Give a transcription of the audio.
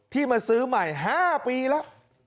มาซื้อใหม่๕ปีแล้ว